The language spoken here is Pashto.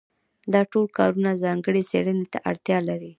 دا ټول کارونه ځانګړې څېړنې ته اړتیا لري.